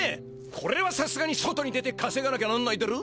これはさすがに外に出てかせがなきゃなんないだろ？